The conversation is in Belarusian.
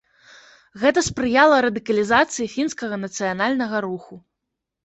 Гэта спрыяла радыкалізацыі фінскага нацыянальнага руху.